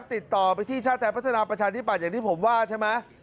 ติดต่อไปที่ชาติไทยพัฒนาประชาธิบัติอย่างที่ผมว่าใช่ไหม